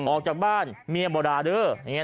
ออกจากบ้านเมียโบราเด้อ